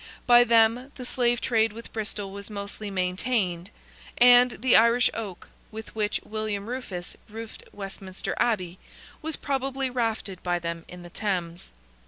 By them the slave trade with Bristol was mostly maintained, and the Irish oak, with which William Rufus roofed Westminster Abbey, was probably rafted by them in the Thames.